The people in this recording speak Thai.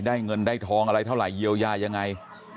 ได้เงินได้ทองอะไรเท่าไหร่เยียวยายังไง